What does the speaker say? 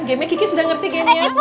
game nya kiki sudah ngerti game nya